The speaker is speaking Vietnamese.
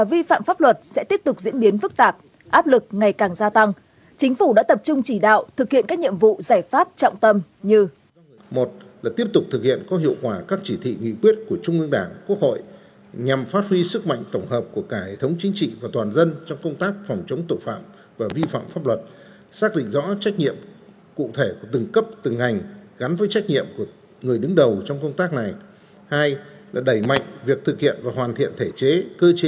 vi phạm pháp luật sẽ tiếp tục diễn biến phức tạp áp lực ngày càng gia tăng chính phủ đã tập trung chỉ đạo thực hiện các nhiệm vụ giải pháp trọng tâm như